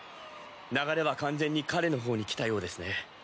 流れは完全に彼のほうにきたようですね。